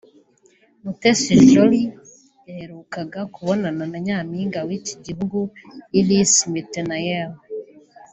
Mutesi Jolly yaherukaga kubonana na Nyampinga w’iki gihugu Iris Mittenaere